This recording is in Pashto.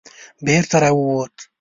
بېرته را ووت.